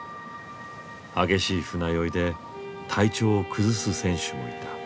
激しい船酔いで体調を崩す選手もいた。